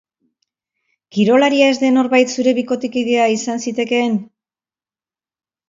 Kirolaria ez den norbait zure bikotekidea izan zitekeen?